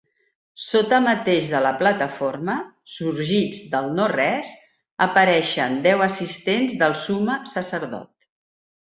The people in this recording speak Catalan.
Sota mateix de la plataforma, sorgits del nores, apareixen deu assistents del Summe Sacerdot.